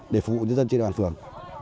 để phục vụ những dân trên bàn phường